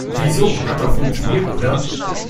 Wieso, hat doch funktioniert, oder?